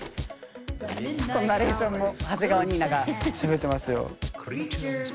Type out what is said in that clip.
ナレーションも長谷川ニイナがしゃべってますよ。